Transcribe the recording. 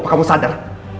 emang kamu sadar